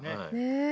へえ。